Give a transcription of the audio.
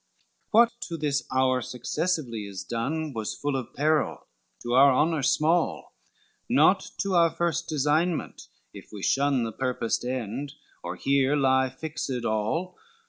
XXIV "What to this hour successively is done Was full of peril, to our honor small, Naught to our first designment, if we shun The purposed end, or here lie fixed all.